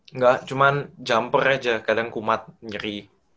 enggak cuma jamper aja kadang kumat nyeri